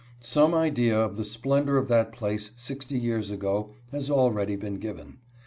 Some idea of the splendor of that place sixty years ago has already been given.